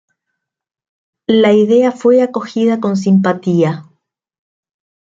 La idea fue acogida con simpatía.